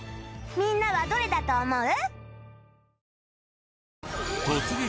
みんなはどれだと思う？